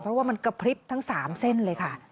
เพราะว่ามันกระพริบทั้ง๓เส้นเลยค่ะ